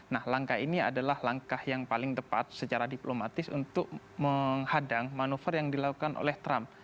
nah langkah ini adalah langkah yang paling tepat secara diplomatis untuk menghadang manuver yang dilakukan oleh trump